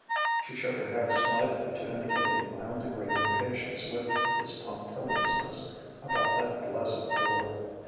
She shook her head slightly to indicate a mild degree of impatience with his punctiliousness about that blessed door.